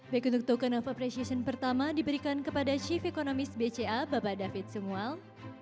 baik untuk tokeno appreciation pertama diberikan kepada chief economist bca bapak david simuel